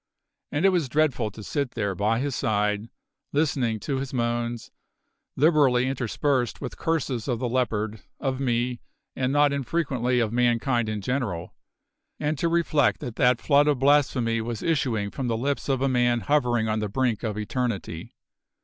And it was dreadful to sit there by his side, listening to his moans, liberally interspersed with curses of the leopard, of me, and not infrequently of mankind in general, and to reflect that that flood of blasphemy was issuing from the lips of a man hovering on the brink of eternity!